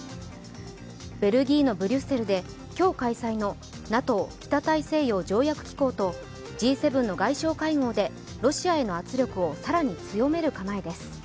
ベルギーのブリュッセルで今日開催のＮＡＴＯ＝北大西洋条約機構とＧ７の外相会合でロシアへの圧力を更に強める構えです。